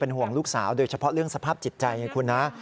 ห่วงลูกสาวโดยเฉพาะเรื่องสภาพจิตใจไงคุณนะ